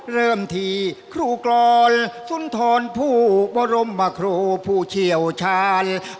เริ่มที่ครูกรสุนทรผู้บรมครูผู้เชี่ยวชาญ